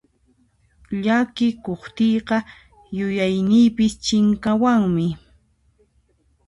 Llakikuqtiyqa yuyayniypis chinkawanmi.